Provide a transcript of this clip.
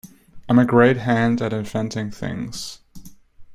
I’m a great hand at inventing things.